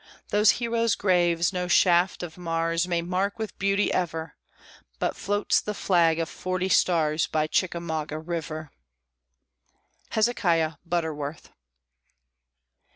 Those heroes' graves no shaft of Mars May mark with beauty ever; But floats the flag of forty stars By Chickamauga River. HEZEKIAH BUTTERWORTH.